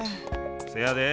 せやで！